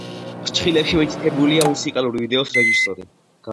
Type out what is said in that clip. ფრჩხილებში მითითებულია მუსიკალური ვიდეოს რეჟისორი.